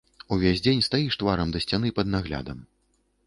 Увесь дзень стаіш тварам да сцяны пад наглядам.